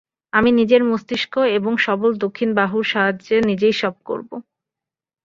আমি নিজের মস্তিষ্ক এবং সবল দক্ষিণ বাহুর সাহায্যে নিজেই সব করব।